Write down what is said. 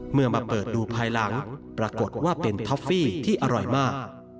เมื่อมาเปิดดูภายหลังปรากฏว่าเป็นท็อฟฟี่ที่อร่อยมาก